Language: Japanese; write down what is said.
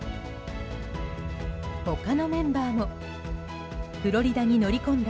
他のメンバーもフロリダに乗り込んだ